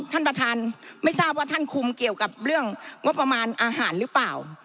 ท่านประธานไม่ทราบว่าท่านคุมเกี่ยวกับเรื่องงบประมาณอาหารหรือเปล่า